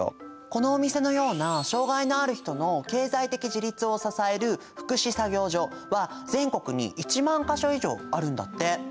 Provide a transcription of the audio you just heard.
このお店のような障がいのある人の経済的自立を支える福祉作業所は全国に１万か所以上あるんだって。